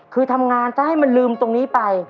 คือทำงานถ้าให้มันลืมตรงนี้ไป